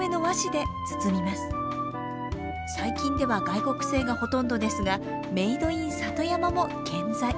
最近では外国製がほとんどですがメードインサトヤマも健在。